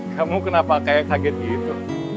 kamu kenapa kayak kaget gitu